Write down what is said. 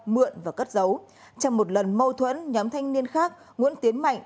mượn và cất giấu trong một lần mâu thuẫn nhóm thanh niên khác nguyễn tiến mạnh